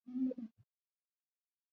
菲茨西蒙斯随后还成立了。